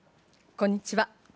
こんにちは。